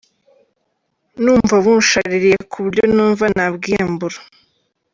Numva bunshaririye ku buryo numva nabwiyambura.